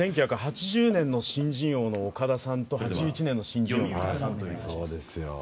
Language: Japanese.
１９８０年の新人王の岡田さんと８１年の新人王の原さんという。